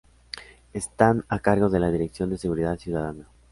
Están a cargo de la Dirección de Seguridad Ciudadana.